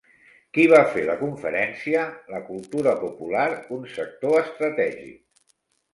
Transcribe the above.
Qui va fer la conferència La cultura popular, un sector estratègic?